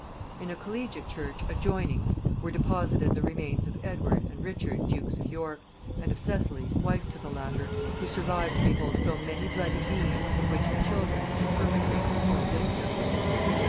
In a collegiate church adjoining were deposited the remains of Edward and Richard dukes of York, and of Cecily wife to the latter, who survived to behold so many bloody deeds of which her children were the perpetrators or the victims.